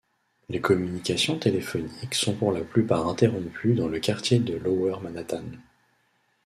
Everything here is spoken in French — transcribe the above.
Les communications téléphoniques sont pour la plupart interrompues dans le quartier de Lower Manhattan.